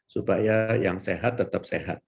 supaya yang sehat tetap sehat